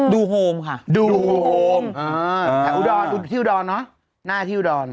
โฮมค่ะดูโฮมแถวอุดรดูที่อุดรเนอะหน้าที่อุดร